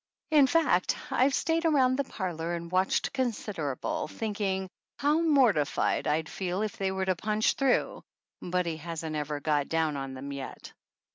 In fact, I have stayed around the parlor and watched considerable, thinking how mortified I'd feel if they were to punch through, but he hasn't ever got down on them yet.